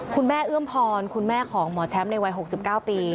เอื้อมพรคุณแม่ของหมอแชมป์ในวัย๖๙ปี